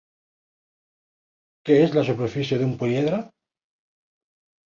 Què és la superfície d'un políedre?